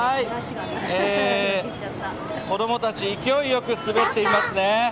子供たち、勢いよく滑っていますね。